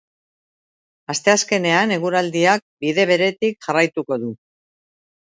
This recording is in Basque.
Asteazkenean eguraldiak bide beretik jarraituko du.